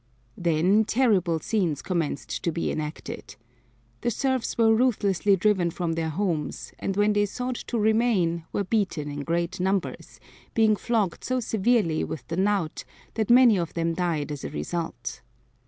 Then terrible scenes commenced to be enacted. The serfs were ruthlessly driven from their homes and when they sought to remain were beaten in great numbers, being flogged so severely with the knout that many of them died as a result.